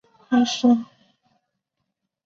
此片大部分内景将在怀柔影视基地拍摄。